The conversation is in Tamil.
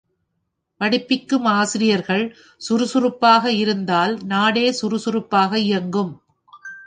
படிப்பிக்கும் ஆசிரியர்கள் சுறுசுறுப்பாக இருந்தால், நாடே சுறுசுறுப்பாக இயங்கும்.